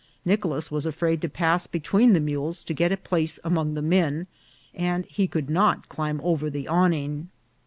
Nicolas was afraid to pass between the mules to get a place among the men, and he could not climb over the awning.